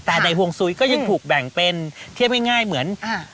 แต่ในห่วงซุ้ยก็ยังถูกแบ่งเป็นเทียบง่ายเหมือนอ่า